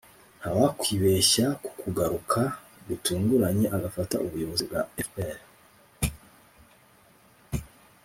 nta wakwibeshya ku kugaruka gutunguranye agafata ubuyobozi bwa fpr